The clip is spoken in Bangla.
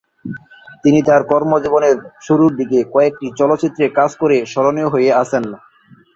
তিনি তার কর্মজীবনের শুরুর দিকে কয়েকটি চলচ্চিত্রে কাজ করে স্মরণীয় হয়ে আছেন।